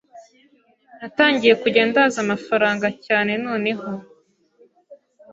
natangiye kujya ndaza amafaranga cyane noneho